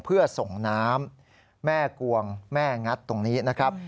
เพื่อส่งน้ำแม่กวงแม่งัดตรงนี้นะครับ